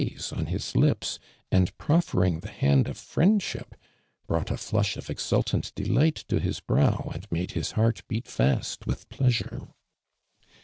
se on his lips and proffering the hand of friendship, brought a flush of exultant delight to his brow and made his heart beat fast with j>leasure.